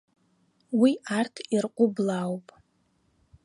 Уи арҭ ирҟәыблаауп!